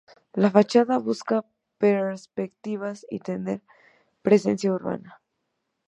La fachada busca perspectivas y tener presencia urbana.